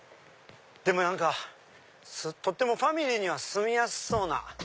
でも何かとってもファミリーには住みやすそうな。